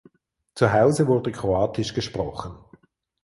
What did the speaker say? Zu Hause wurde Kroatisch gesprochen.